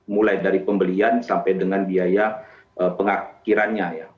mulai dari pembelian sampai dengan biaya pengakhirannya ya